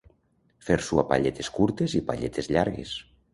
Fer-s'ho a palletes curtes i palletes llargues.